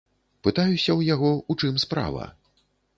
Пытаюся ў яго, у чым справа.